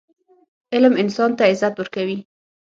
علم انسان ته عزت ورکوي.